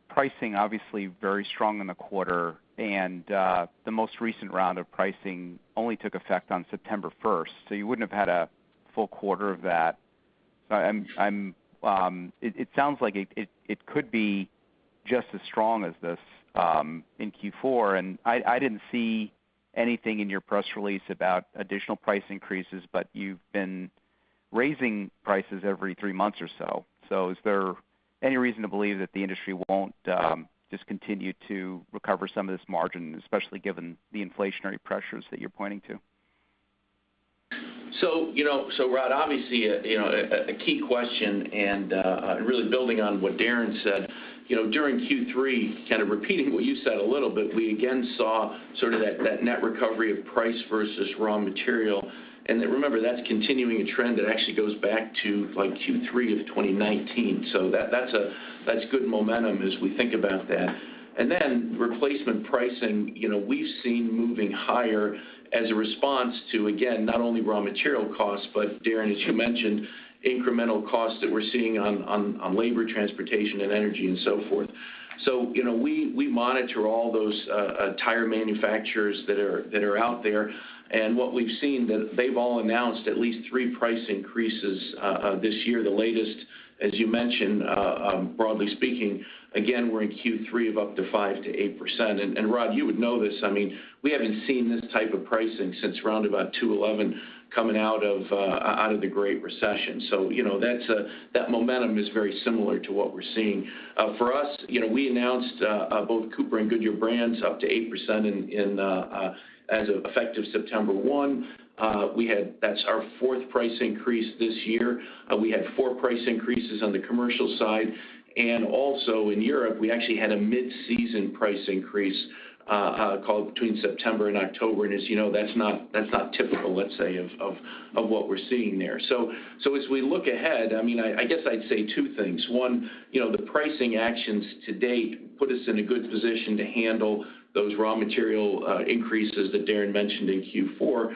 pricing obviously very strong in the quarter, and the most recent round of pricing only took effect on September first, so you wouldn't have had a full quarter of that. It sounds like it could be just as strong as this in Q4. I didn't see anything in your press release about additional price increases, but you've been raising prices every three months or so. Is there any reason to believe that the industry won't just continue to recover some of this margin, especially given the inflationary pressures that you're pointing to? You know, so Rod, obviously, you know, a key question and really building on what Darren said. You know, during Q3, kind of repeating what you said a little bit, we again saw sort of that net recovery of price versus raw material. Then remember, that's continuing a trend that actually goes back to like Q3 of 2019. That's good momentum as we think about that. Then replacement pricing, you know, we've seen moving higher as a response to, again, not only raw material costs, but Darren, as you mentioned, incremental costs that we're seeing on labor, transportation, and energy and so forth. You know, we monitor all those tire manufacturers that are out there. What we've seen that they've all announced at least three price increases this year. The latest, as you mentioned, broadly speaking, again, we're in Q3 of up to 5%-8%. Rod, you would know this, I mean, we haven't seen this type of pricing since around about 2011 coming out of the Great Recession. You know, that momentum is very similar to what we're seeing. For us, you know, we announced both Cooper and Goodyear brands up to 8% as of effective September 1. That's our fourth price increase this year. We had four price increases on the commercial side. Also in Europe, we actually had a mid-season price increase rolled between September and October. As you know, that's not typical, let's say, of what we're seeing there. As we look ahead, I mean, I guess I'd say two things. One, you know, the pricing actions to date put us in a good position to handle those raw material increases that Darren mentioned in Q4.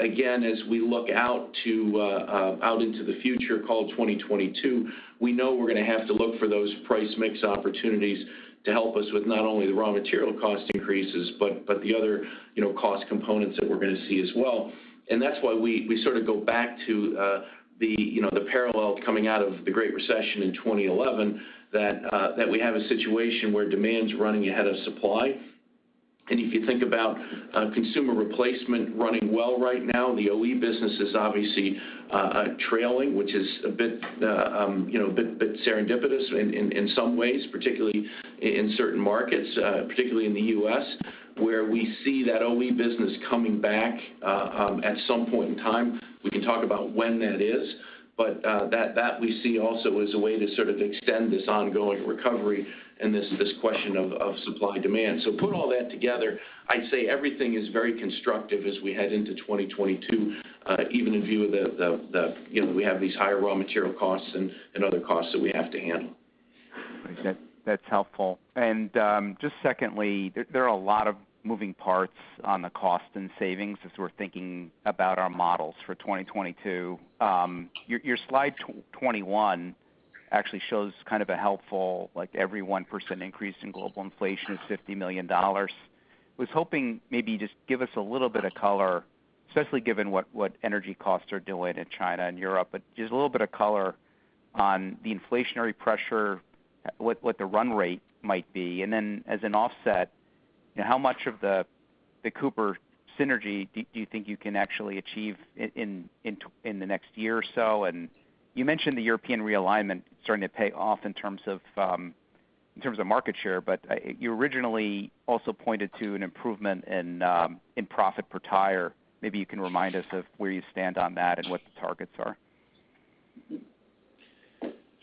Again, as we look out into the future, call it 2022, we know we're gonna have to look for those price/mix opportunities to help us with not only the raw material cost increases, but the other, you know, cost components that we're gonna see as well. That's why we sort of go back to, you know, the parallel coming out of the Great Recession in 2011, that we have a situation where demand's running ahead of supply. If you think about consumer replacement running well right now, the OE business is obviously trailing, which is a bit, you know, serendipitous in some ways, particularly in certain markets, particularly in the U.S., where we see that OE business coming back at some point in time. We can talk about when that is. That we see also as a way to sort of extend this ongoing recovery and this question of supply and demand. Put all that together, I'd say everything is very constructive as we head into 2022, even in view of the you know we have these higher raw material costs and other costs that we have to handle. That's helpful. Just secondly, there are a lot of moving parts on the cost and savings as we're thinking about our models for 2022. Your slide 21 actually shows kind of a helpful, like every 1% increase in global inflation is $50 million. I was hoping maybe you just give us a little bit of color, especially given what energy costs are doing in China and Europe, but just a little bit of color on the inflationary pressure, what the run rate might be. As an offset, how much of the Cooper synergy do you think you can actually achieve in the next year or so? You mentioned the European realignment starting to pay off in terms of market share, but you originally also pointed to an improvement in profit per tire. Maybe you can remind us of where you stand on that and what the targets are.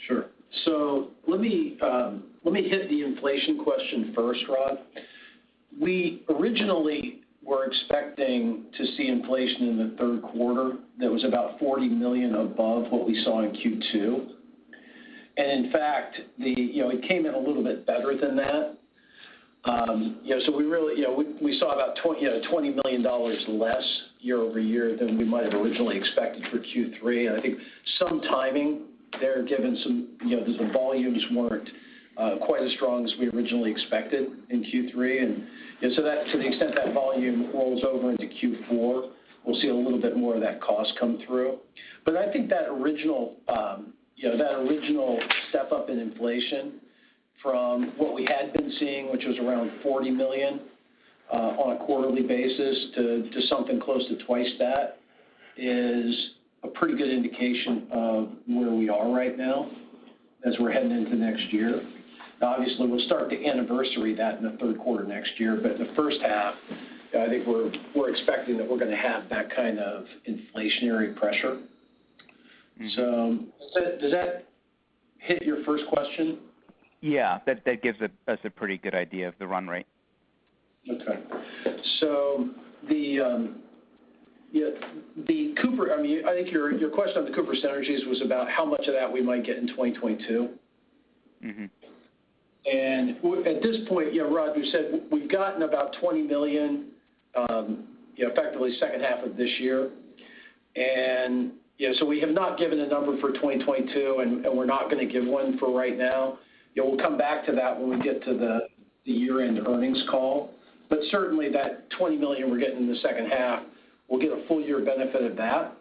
Sure. Let me hit the inflation question first, Rod. We originally were expecting to see inflation in the third quarter that was about $40 million above what we saw in Q2. In fact, you know, it came in a little bit better than that. You know, we really, you know, we saw about $20 million less year-over-year than we might have originally expected for Q3. I think some timing there, given you know, the volumes weren't quite as strong as we originally expected in Q3. To the extent that volume rolls over into Q4, we'll see a little bit more of that cost come through. I think that original, you know, that original step up in inflation from what we had been seeing, which was around $40 million on a quarterly basis to something close to twice that, is a pretty good indication of where we are right now as we're heading into next year. Obviously, we'll start to anniversary that in the third quarter next year. The first half, I think we're expecting that we're gonna have that kind of inflationary pressure. Does that hit your first question? Yeah. That gives us a pretty good idea of the run rate. The Cooper. I mean, I think your question on the Cooper synergies was about how much of that we might get in 2022. Mm-hmm. At this point, yeah, Rod, you said we've gotten about $20 million, effectively second half of this year. We have not given a number for 2022, and we're not gonna give one right now. You know, we'll come back to that when we get to the year-end earnings call. Certainly that $20 million we're getting in the second half, we'll get a full year benefit of that.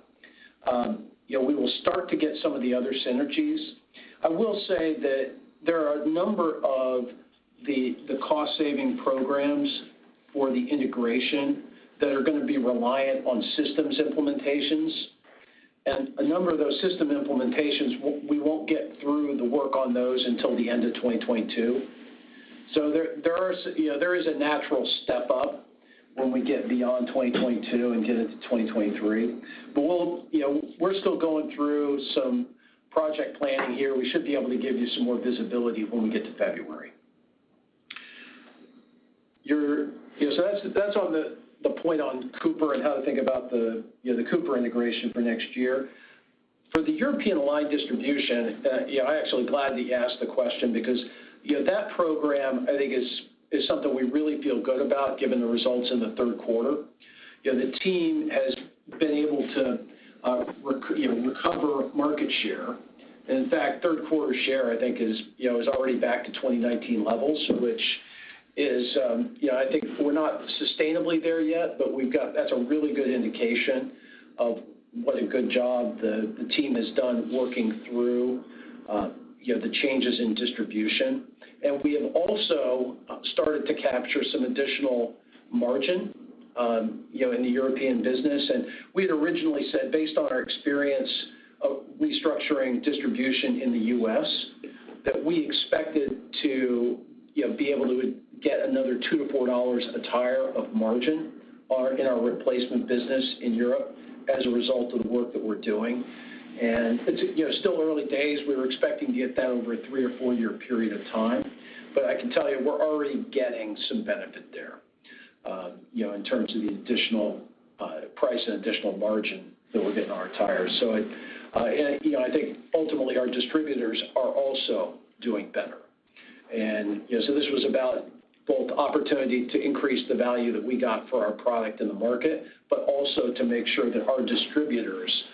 You know, we will start to get some of the other synergies. I will say that there are a number of the cost saving programs for the integration that are gonna be reliant on systems implementations. A number of those system implementations we won't get through the work on those until the end of 2022. There is a natural step up when we get beyond 2022 and get into 2023. You know, we're still going through some project planning here. We should be able to give you some more visibility when we get to February. That's the point on Cooper and how to think about the Cooper integration for next year. For the European line distribution, yeah, I'm actually glad that you asked the question because, you know, that program, I think is something we really feel good about, given the results in the third quarter. You know, the team has been able to recover market share. In fact, third quarter share, I think is already back to 2019 levels, which is, you know, I think we're not sustainably there yet, but we've got that that's a really good indication of what a good job the team has done working through, you know, the changes in distribution. We have also started to capture some additional margin, you know, in the European business. We had originally said, based on our experience of restructuring distribution in the U.S., that we expected to, you know, be able to get another $2-$4 a tire of margin in our replacement business in Europe as a result of the work that we're doing. It's, you know, still early days. We were expecting to get that over a 3- or 4-year period of time. I can tell you, we're already getting some benefit there, you know, in terms of the additional price and additional margin that we're getting on our tires. You know, I think ultimately our distributors are also doing better. You know, so this was about both opportunity to increase the value that we got for our product in the market, but also to make sure that our distributors'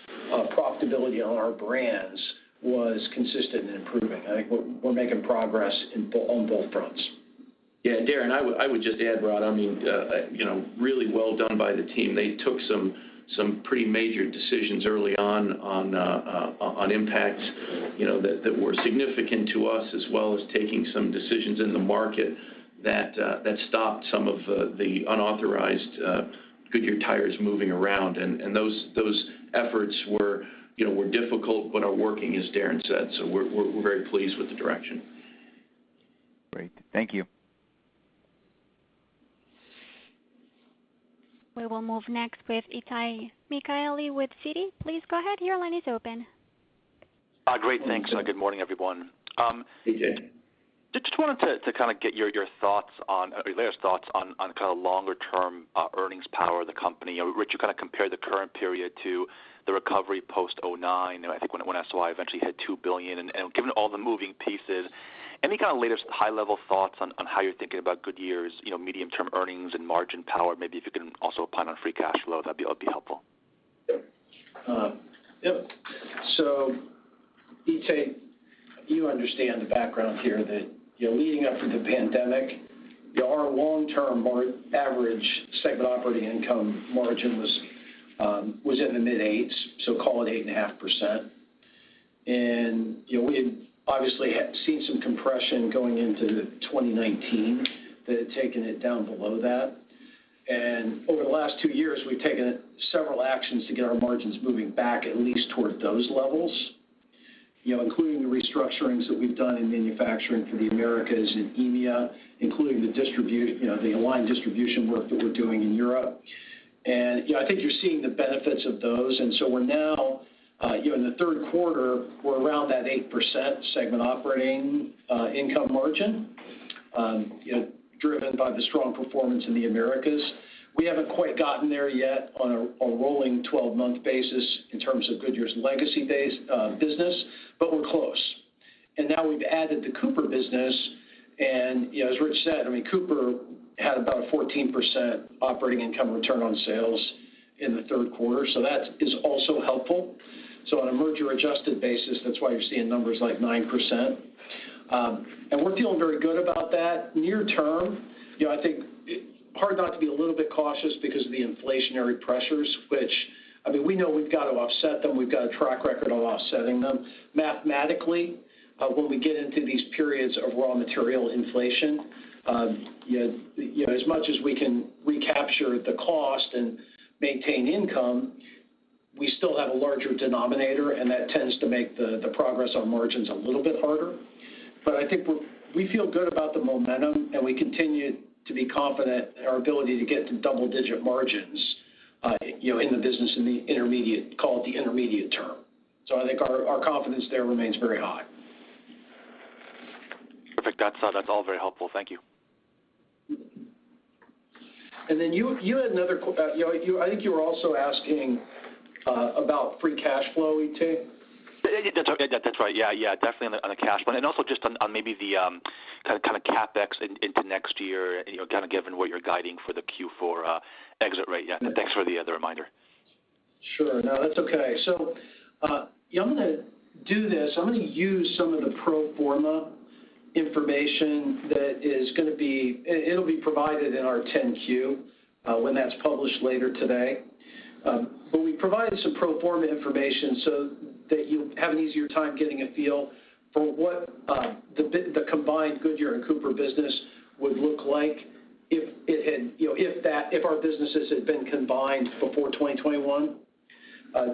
profitability on our brands was consistent and improving. I think we're making progress on both fronts. Yeah, Darren, I would just add, Rod, I mean, you know, really well done by the team. They took some pretty major decisions early on impact, you know, that were significant to us, as well as taking some decisions in the market that stopped some of the unauthorized Goodyear tires moving around. Those efforts were, you know, were difficult but are working, as Darren said. We're very pleased with the direction. Great. Thank you. We will move next with Itay Michaeli with Citi. Please go ahead. Your line is open. Great. Thanks. Good morning, everyone. Just wanted to kind of get your thoughts on or your latest thoughts on kind of longer-term earnings power of the company. Rich, you kind of compared the current period to the recovery post-2009. You know, I think when SOI eventually hit $2 billion. Given all the moving pieces, any kind of latest high-level thoughts on how you're thinking about Goodyear's, you know, medium-term earnings and margin power? Maybe if you can also opine on free cash flow, that'd be helpful. Yep. Itay, you understand the background here that, you know, leading up to the pandemic, you know, our long-term average segment operating income margin was in the mid-8s, so call it 8.5%. You know, we had obviously seen some compression going into 2019 that had taken it down below that. Over the last 2 years, we've taken several actions to get our margins moving back at least toward those levels, you know, including the restructurings that we've done in manufacturing for the Americas and EMEA, including the aligned distribution work that we're doing in Europe. You know, I think you're seeing the benefits of those. We're now, you know, in the third quarter, we're around that 8% segment operating income margin, you know, driven by the strong performance in the Americas. We haven't quite gotten there yet on a rolling twelve-month basis in terms of Goodyear's legacy base business, but we're close. Now we've added the Cooper business, and, you know, as Rich said, I mean, Cooper had about 14% operating income return on sales in the third quarter, so that is also helpful. On a merger-adjusted basis, that's why you're seeing numbers like 9%. We're feeling very good about that. Near term, you know, I think it's hard not to be a little bit cautious because of the inflationary pressures, which, I mean, we know we've got to offset them. We've got a track record of offsetting them. Mathematically, when we get into these periods of raw material inflation, you know, as much as we can recapture the cost and maintain income, we still have a larger denominator, and that tends to make the progress on margins a little bit harder. I think we feel good about the momentum, and we continue to be confident in our ability to get to double-digit margins, you know, in the business in the intermediate term. I think our confidence there remains very high. Perfect. That's all very helpful. Thank you. Then you had another. I think you were also asking about free cash flow, E.T. Yeah. That's okay. That's right. Yeah. Definitely on the cash flow. Also just on maybe the kind of CapEx into next year, you know, kind of given what you're guiding for the Q4 exit rate. Yeah. Thanks for the reminder. Sure. No, that's okay. Yeah, I'm gonna do this. I'm gonna use some of the pro forma information that is gonna be. It'll be provided in our 10-Q when that's published later today. We provided some pro forma information so that you have an easier time getting a feel for what the combined Goodyear and Cooper business would look like if it had, you know, if our businesses had been combined before 2021,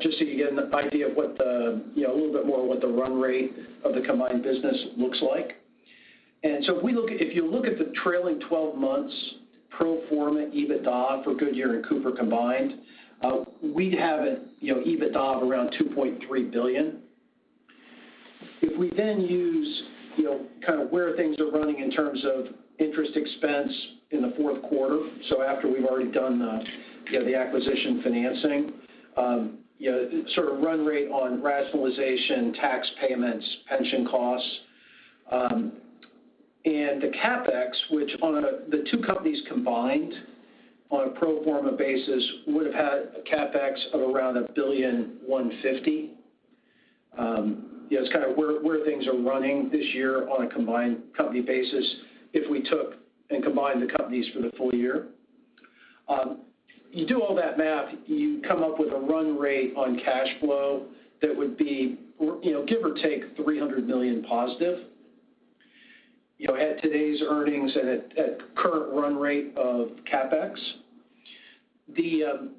just so you get an idea of what the, you know, a little bit more what the run rate of the combined business looks like. If you look at the trailing twelve months pro forma EBITDA for Goodyear and Cooper combined, we'd have, you know, EBITDA of around $2.3 billion. If we then use, you know, kind of where things are running in terms of interest expense in the fourth quarter, so after we've already done the, you know, the acquisition financing, you know, sort of run rate on rationalization, tax payments, pension costs, and the CapEx which the two companies combined on a pro forma basis would have had a CapEx of around $150 million. You know, it's kind of where things are running this year on a combined company basis if we took and combined the companies for the full year. You do all that math, you come up with a run rate on cash flow that would be, or, you know, give or take $300 million positive, you know, at today's earnings and at current run rate of CapEx. The,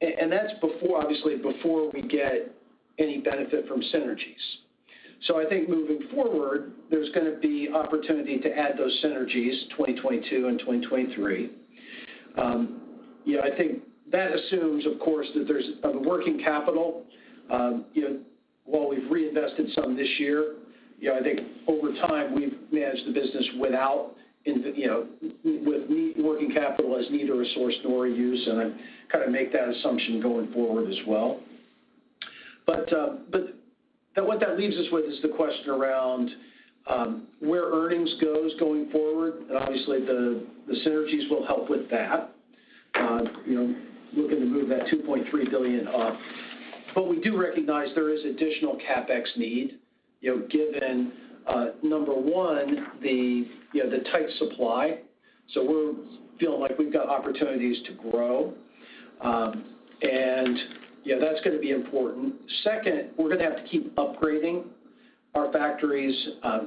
That's before obviously, before we get any benefit from synergies. I think moving forward, there's gonna be opportunity to add those synergies 2022 and 2023. I think that assumes, of course, that there's a working capital, while we've reinvested some this year, I think over time, we've managed the business without working capital as neither a source nor a use, and I kind of make that assumption going forward as well. What that leaves us with is the question around, where earnings goes going forward. Obviously, the synergies will help with that. Looking to move that $2.3 billion up. We do recognize there is additional CapEx need, given, number one, the tight supply. We're feeling like we've got opportunities to grow. Yeah, that's gonna be important. Second, we're gonna have to keep upgrading our factories,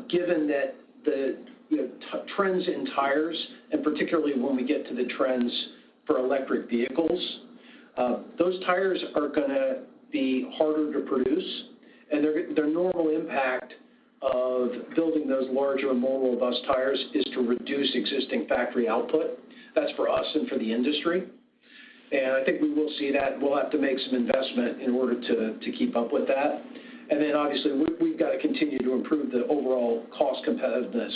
given that the, you know, trends in tires and particularly when we get to the trends for electric vehicles, those tires are gonna be harder to produce, and their normal impact of building those larger and more robust tires is to reduce existing factory output. That's for us and for the industry. I think we will see that, and we'll have to make some investment in order to keep up with that. Then obviously, we've got to continue to improve the overall cost competitiveness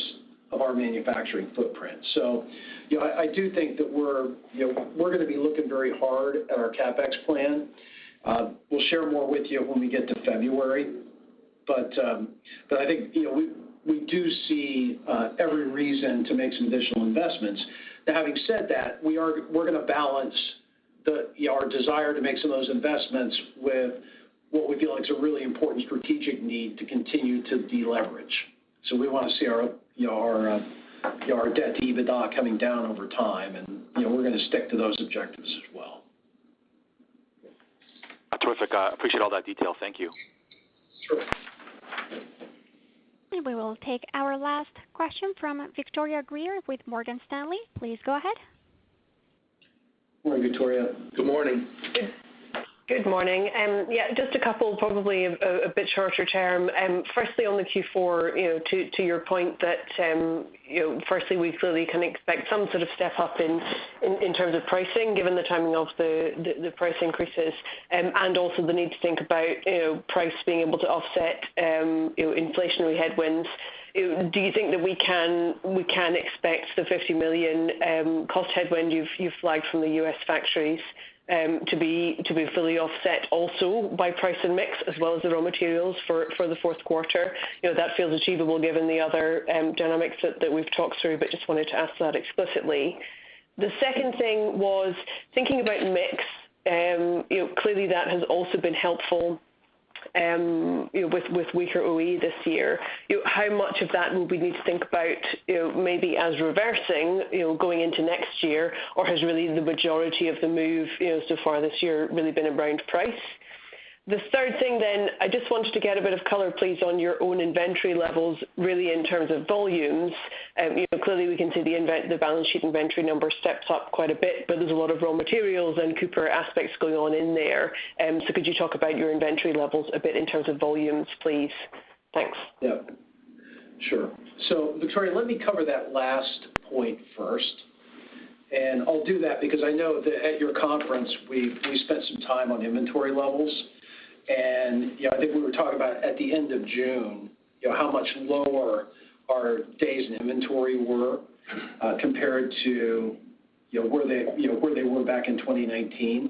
of our manufacturing footprint. You know, I do think that we're gonna be looking very hard at our CapEx plan. We'll share more with you when we get to February. I think, you know, we do see every reason to make some additional investments. Now, having said that, we're gonna balance our desire to make some of those investments with what we feel like is a really important strategic need to continue to deleverage. We wanna see our debt to EBITDA coming down over time and we're gonna stick to those objectives as well. Terrific. I appreciate all that detail. Thank you. Sure. We will take our last question from Victoria Greer with Morgan Stanley. Please go ahead. Good morning, Victoria. Good morning. Good morning. Yeah, just a couple, probably a bit shorter term. Firstly, on the Q4, you know, to your point that, you know, firstly, we clearly can expect some sort of step up in terms of pricing, given the timing of the price increases and also the need to think about, you know, price being able to offset, you know, inflationary headwinds. Do you think that we can expect the $50 million cost headwind you've flagged from the U.S. factories to be fully offset also by price and mix as well as the raw materials for the fourth quarter? You know, that feels achievable given the other dynamics that we've talked through, but just wanted to ask that explicitly. The second thing was thinking about mix. You know, clearly that has also been helpful, with weaker OE this year. You know, how much of that will we need to think about, maybe as reversing, going into next year? Or has really the majority of the move, so far this year really been around price? The third thing, I just wanted to get a bit of color, please, on your own inventory levels, really in terms of volumes. You know, clearly we can see the balance sheet inventory numbers stepped up quite a bit, but there's a lot of raw materials and Cooper aspects going on in there. So could you talk about your inventory levels a bit in terms of volumes, please? Thanks. Yeah, sure. Victoria, let me cover that last point first, and I'll do that because I know that at your conference, we spent some time on inventory levels. You know, I think we were talking about at the end of June, you know, how much lower our days in inventory were compared to where they were back in 2019.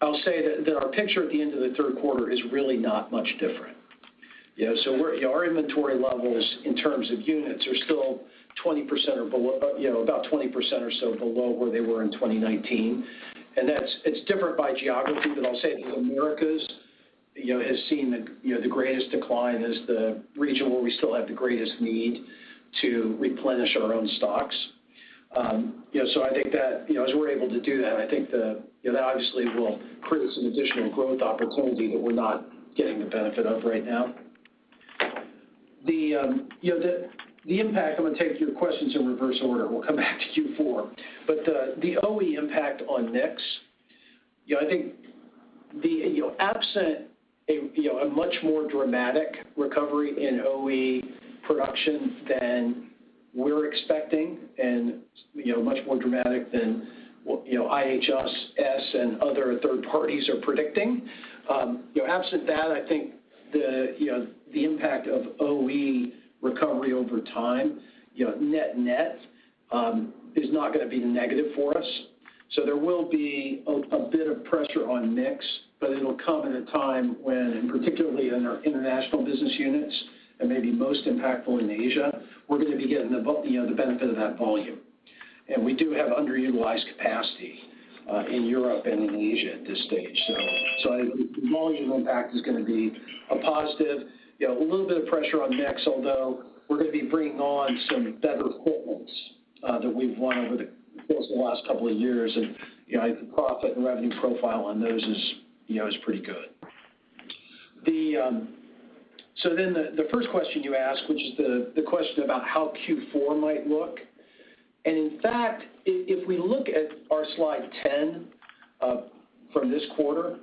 I'll say that our picture at the end of the third quarter is really not much different. You know, our inventory levels in terms of units are still 20% or below, you know, about 20% or so below where they were in 2019. It's different by geography, but I'll say the Americas, you know, has seen the greatest decline as the region where we still have the greatest need to replenish our own stocks. You know, I think that, you know, as we're able to do that, I think that obviously will create some additional growth opportunity that we're not getting the benefit of right now. The impact. I'm gonna take your questions in reverse order. We'll come back to Q4. The OE impact on mix. You know, I think the, you know, absent a, you know, a much more dramatic recovery in OE production than we're expecting and, you know, much more dramatic than, you know, IHS and other third parties are predicting. You know, absent that, I think the impact of OE recovery over time, you know, net-net, is not gonna be negative for us. There will be a bit of pressure on mix, but it'll come at a time when, particularly in our international business units, and maybe most impactful in Asia, we're gonna be getting you know, the benefit of that volume. We do have underutilized capacity in Europe and in Asia at this stage. I think the volume impact is gonna be a positive. You know, a little bit of pressure on mix, although we're gonna be bringing on some better quotes that we've won over the course of the last couple of years. You know, the profit and revenue profile on those is pretty good. The first question you asked, which is the question about how Q4 might look, and in fact, if we look at our slide 10 from this quarter,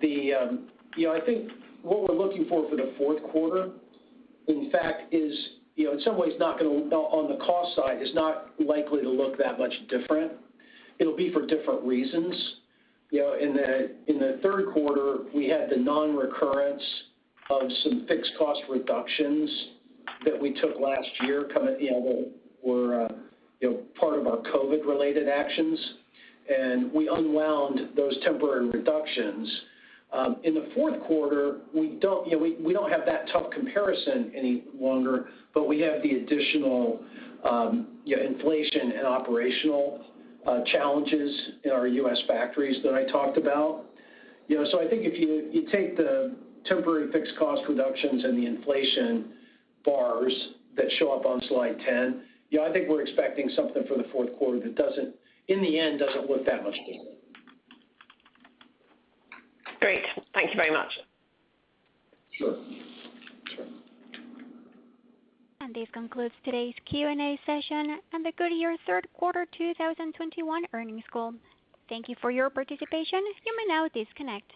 you know, I think what we're looking for for the fourth quarter, in fact, is, you know, in some ways on the cost side is not likely to look that much different. It'll be for different reasons. You know, in the third quarter, we had the non-recurrence of some fixed cost reductions that we took last year come back, you know, that were part of our COVID-related actions, and we unwound those temporary reductions. In the fourth quarter, we don't have that tough comparison any longer, but we have the additional, you know, inflation and operational challenges in our U.S. factories that I talked about. You know, I think if you take the temporary fixed cost reductions and the inflation bars that show up on slide 10, you know, I think we're expecting something for the fourth quarter that doesn't, in the end, look that much different. Great. Thank you very much. Sure. This concludes today's Q&A session and the Goodyear third quarter 2021 earnings call. Thank you for your participation. You may now disconnect.